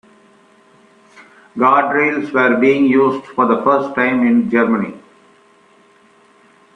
Guardrails were being used for the first time in Germany.